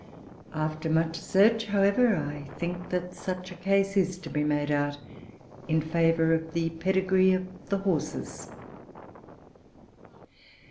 After much search, however, I think that such a case is to be made out in favour of the pedigree of the Horses.